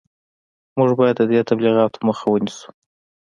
موږ باید د دې تبلیغاتو مخه ونیسو